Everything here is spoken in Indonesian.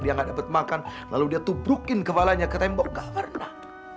dia nggak dapat makan lalu dia tuh brukin kepalanya ke tembok nggak pernah